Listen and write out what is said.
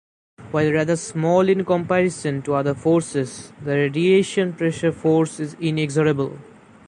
While rather small in comparison to other forces, the radiation pressure force is inexorable.